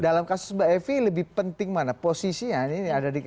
dalam kasus mbak evi lebih penting mana posisinya ini ada di kpk